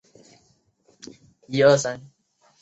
二甲苯蓝和溴酚蓝也常被用于该用途。